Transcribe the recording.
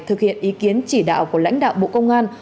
thực hiện ý kiến chỉ đạo của lãnh đạo bộ công an